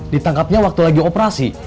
ditangkapnya waktu lagi operasi